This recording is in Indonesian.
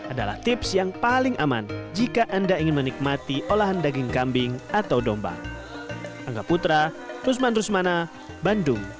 adalah tips yang paling aman jika anda ingin menikmati olahan daging kambing atau domba